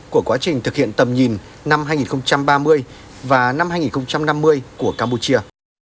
của quá trình thực hiện tầm nhìn năm hai nghìn ba mươi và năm hai nghìn năm mươi của campuchia